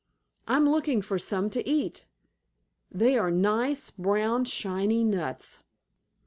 I'm looking for some to eat. They are nice, brown, shiny nuts."